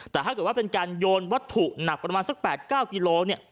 แต่ถ้าเกิดว่าเป็นการโยนวัตถุหนักประมาณสัก๘๙กิโลเนี่ย